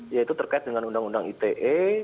yaitu terkait dengan undang undang ite